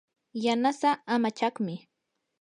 yanasaa amachaqmi.